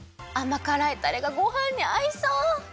あまからいタレがごはんにあいそう！